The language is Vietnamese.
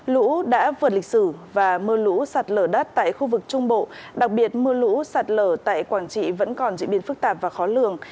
lũ đã vượt lịch sử và mưa lũ sạt lở đất tại khu vực trung bộ đặc biệt mưa lũ sạt lở tại quảng trị vẫn còn diễn biến phức tạp và khó lường